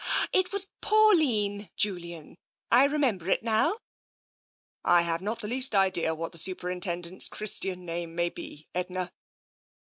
... It was Pauline^ Julian — I remember it now." " I have not the least idea what the Superintendent's Christian name may be, Edna."